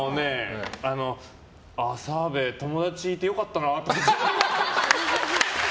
澤部、友達いて良かったなって。